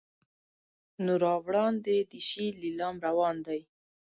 نو را وړاندې دې شي لیلام روان دی.